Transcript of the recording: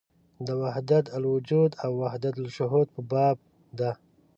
د وحدت الوجود او وحدت الشهود په باب ده.